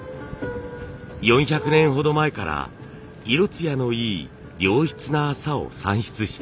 ４００年ほど前から色艶のいい良質な麻を産出しています。